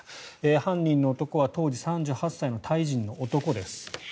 犯人の男は当時３８歳のタイ人の男です。